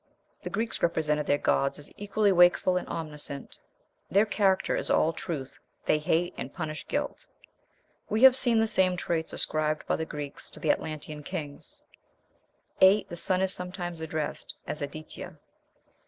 The Greeks represented their gods as equally wakeful and omniscient. "Their character is all truth; they hate and punish guilt." We have seen the same traits ascribed by the Greeks to the Atlantean kings. 8. The sun is sometimes addressed as an Aditya.